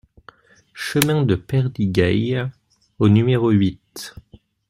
Chemin de Perdigailh au numéro huit